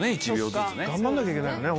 頑張んなきゃいけないよね